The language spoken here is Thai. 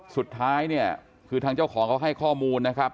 สุดท้ายเนี่ยคือทางเจ้าของเขาให้ข้อมูลนะครับ